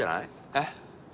えっ？